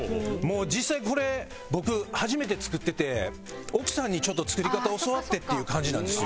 実際これ僕初めて作ってて奥さんに作り方教わってっていう感じなんですよ。